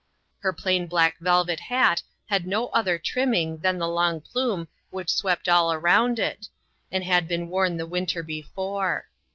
Her plain black velvet hat had no other trim ming than the long plume which swept all around it, and had been worn the winter be fore.